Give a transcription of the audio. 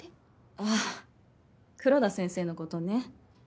あぁ黒田先生のことね。